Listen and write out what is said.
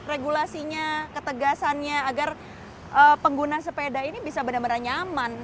regulasinya ketegasannya agar pengguna sepeda ini bisa benar benar nyaman